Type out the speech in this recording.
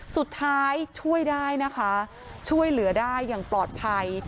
ช่วยได้นะคะช่วยเหลือได้อย่างปลอดภัย